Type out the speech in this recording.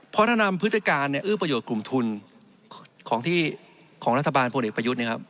เพราะถ้านำพฤติการเนี่ยเอื้อประโยชน์กลุ่มทุนของรัฐบาลพวกเด็กประยุทธ์